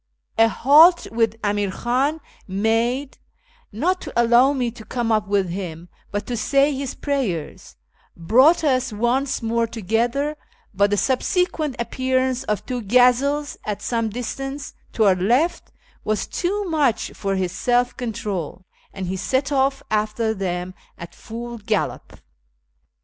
A halt which Amir Khan made (not to allow me to come up with him, but to say his prayers) brought us once more together, but the subsequent appearance of two gazelles at some distance to our left was too much for his self control, and he set off after them at full gallop.